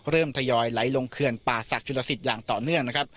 เริ่มทยอยไหลลงเคือนป่าศักดิ์จุลสิทธิ์อย่างต่อเนื่อง